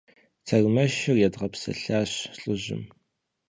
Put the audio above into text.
Тэрмэшыр едгъэпсэлъащ лӀыжьым.